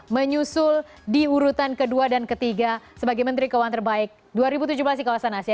menyusul di urutan kedua dan ketiga sebagai menteri keuangan terbaik dua ribu tujuh belas di kawasan asia